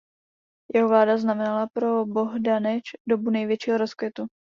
Jeho vláda znamenala pro Bohdaneč dobu největšího rozkvětu.